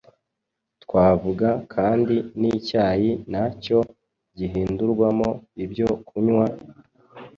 Twavuga kandi n’icyayi na cyo gihindurwamo ibyo kunywa,